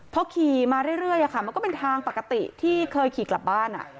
เพราะขี่มาเรื่อยอ่ะค่ะมันก็เป็นทางปกติที่เคยขี่กลับบ้านอ่ะ